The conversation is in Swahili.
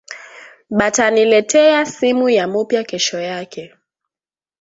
Bata nileteya simu ya mupya keshoyake